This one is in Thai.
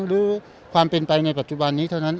หรือความเป็นไปในปัจจุบันนี้เท่านั้น